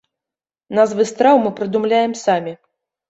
Назвы страў мы прыдумляем самі.